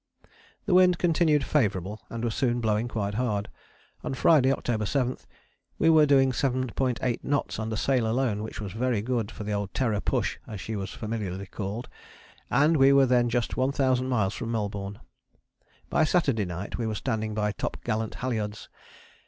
The wind continued favourable and was soon blowing quite hard. On Friday, October 7, we were doing 7.8 knots under sail alone, which was very good for the old Terra Push, as she was familiarly called: and we were then just 1000 miles from Melbourne. By Saturday night we were standing by topgallant halyards.